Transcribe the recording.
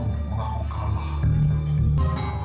aku mau ke laut